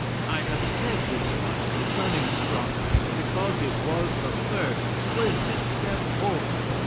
I have said this much concerning astronomy because it was the first splendid step forward!